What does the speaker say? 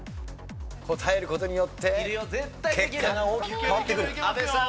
答える事によって結果が大きく変わってくる。